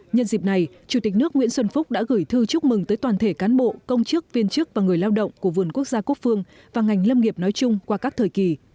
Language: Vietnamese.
nhân dịp này chủ tịch nước nguyễn xuân phúc đã gửi thư chúc mừng tới toàn thể cán bộ công chức viên chức và người lao động của vườn quốc gia quốc phương và ngành lâm nghiệp nói chung qua các thời kỳ